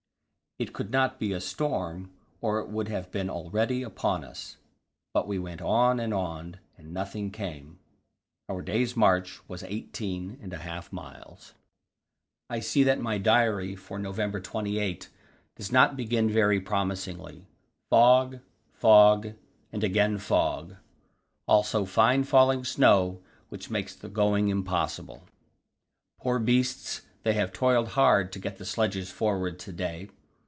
It could not be a storm, or it would have been already upon us. But we went on and on, and nothing came. Our day's march was eighteen and a half miles. I see that my diary for November 28 does not begin very promisingly: "Fog, fog and again fog. Also fine falling snow, which makes the going impossible. Poor beasts, they have toiled hard to get the sledges forward to day."